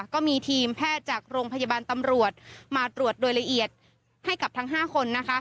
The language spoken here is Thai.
ก็มีทีมแพทย์จากโรงพยาบาลตำรวจมาตรวจโดยละเอียดให้กับทั้ง๕คน